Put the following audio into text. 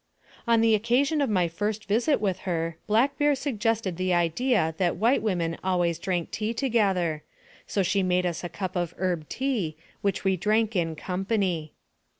On the occasion of my first visit with her, Black Bear suggested the idea that white women always drank tea together, so she made us a cup of herb tea, which we drank in company.